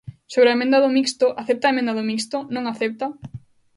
Sobre a emenda do Mixto, ¿acepta a emenda do Mixto?, ¿non a acepta?